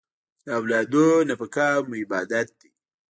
د اولادونو نفقه هم عبادت دی.